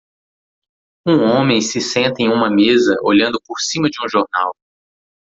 Um homem se senta em uma mesa olhando por cima de um jornal